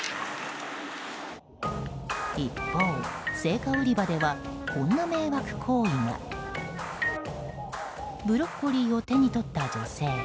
一方、青果売り場ではこんな迷惑行為も。ブロッコリーを手に取った女性。